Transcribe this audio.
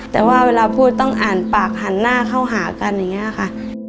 แต่ว่าเวลาพูดต้องอ่านปากหันหน้าเข้าหากันอย่างนี้ค่ะ